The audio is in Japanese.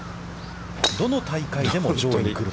どの大会でも上位に来る。